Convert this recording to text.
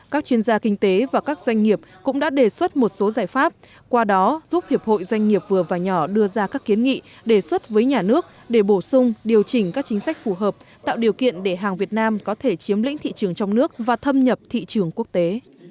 các chuyên gia kinh tế và các doanh nghiệp cũng đã đề xuất một số giải pháp qua đó giúp hiệp hội doanh nghiệp vừa và nhỏ đưa ra các kiến nghị đề xuất với nhà nước để bổ sung điều chỉnh các chính sách phù hợp tạo điều kiện để hàng việt nam có thể chiếm lĩnh thị trường trong nước và thâm nhập thị trường quốc tế